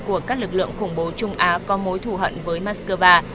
của các lực lượng khủng bố trung á có mối thù hận với moscow